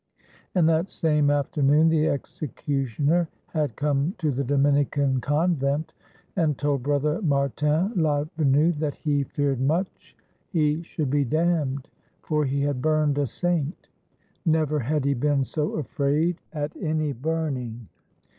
And that same afternoon the executioner had come to the Dominican convent, and told Brother Martin Ladvenu that he feared much he should be damned, for he had burned a saint; never had he been so afraid at any burning.